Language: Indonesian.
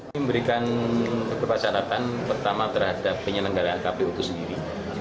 memberikan beberapa syaratan pertama terhadap penyelenggaraan kpu itu sendiri